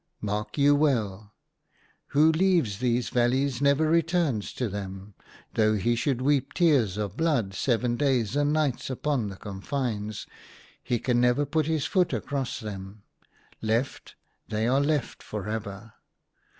" Mark you well — who leaves these valleys never returns to them. Though he should weep tears of blood seven days and nights upon the confines, he can never put his foot across them. Left — they are left for ever.